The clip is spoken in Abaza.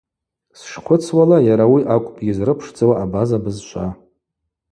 Сшхъвыцуала, йара ауи акӏвпӏ йызрыпшдзауа абаза бызшва.